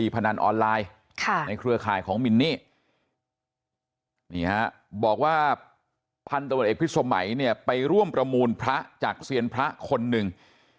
พันธุรกิจพิสมัยไปร่วมประมูลพระจากเสียรพระคนนึง